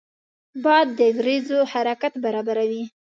باد د وریځو حرکت برابروي